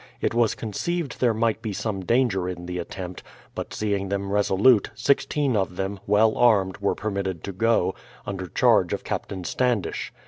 It was conceived there might be some danger in the attempt; but seeing them resolute, sixteen of them, well armed, were permitted to go, under charge of Captain Standish.